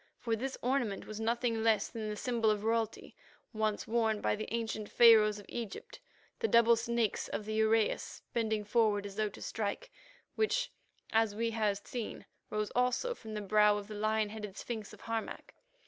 For this ornament was nothing less than the symbol of royalty, once worn by the ancient Pharaohs of Egypt, the double snakes of the uraeus bending forward as though to strike, which, as we had seen, rose also from the brow of the lion headed sphinx of Harmac.